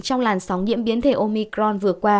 trong làn sóng nhiễm biến thể omicron vừa qua